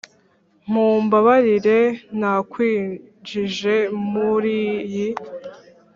mumbabarire nakwinjije muriyi.